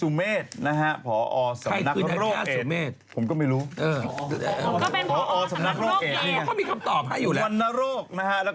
คือเด็กเป็นซิฟิลิสกับน้องไหนเนี่ยเยอะมาก